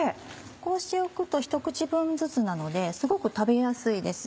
こうしておくとひと口分ずつなのですごく食べやすいです。